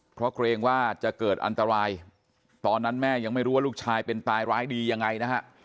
เพราะเกรงว่าจะเกิดอันตรายตอนนั้นแม่ยังไม่รู้ว่าลูกชายเป็นตายร้ายดียังไงนะฮะ